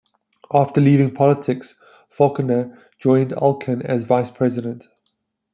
After leaving politics, Faulkner joined Alcan as Vice President.